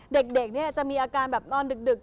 เด็กจะมีอาการแบบนอนดึก